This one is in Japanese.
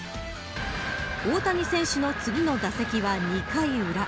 大谷選手の次の打席は２回裏。